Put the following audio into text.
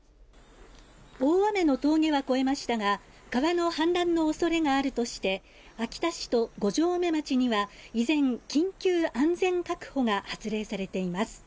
大雨の峠は越えましたが、川の氾濫の恐れがあるとして秋田市と五城目町には依然緊急安全確保が発令されています。